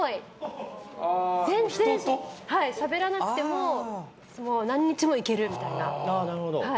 全然しゃべらなくても何日もいけるみたいな。